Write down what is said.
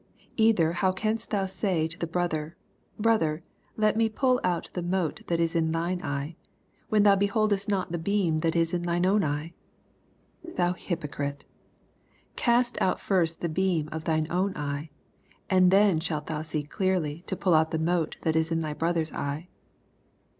42 !uther how canst thou say to thy brother, Brother, let me pall out the mote that is in tnine eye, when thou beholdest not the beam that is in thine own eye? Thou hypocrite, cast oat first the beam oat of thine own eye, and then shalt thou see clearly to pull LUKE VI. 89—45. out the m«te that is in thy brother^B eye.